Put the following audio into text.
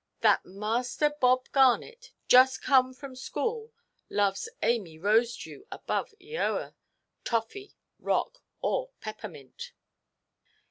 "That Master Bob Garnet, just come from school, loves Amy Rosedew above Eoa, toffee, rock, or peppermint."